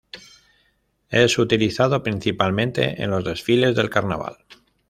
Es utilizado principalmente en los desfiles del Carnaval.